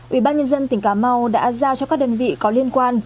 ủy ban nhân dân tỉnh cà mau đã giao cho các đơn vị có liên quan